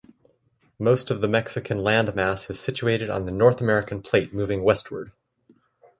Most of the Mexican landmass is situated on the North American plate moving westward.